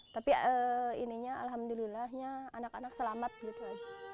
tapi ininya alhamdulillahnya anak anak selamat gitu